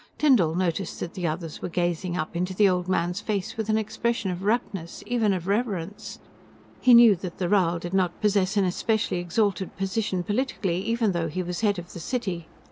Tyndall noticed that the others were gazing up into the old man's face with an expression of raptness, even of reverence. He knew that the Rhal did not possess an especially exalted position politically, even though he was head of the city.